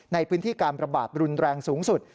ในพื้นที่การประบาดรุนแรงสูงสุด